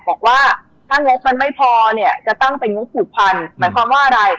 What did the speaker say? บอกว่าถ้างกมันไม่พอจะตั้งเป็นงกสูบพันธุ์